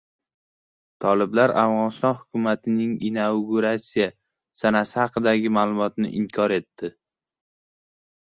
Toliblar Afg‘oniston hukumatining inaugurasiya sanasi haqidagi ma’lumotni inkor etdi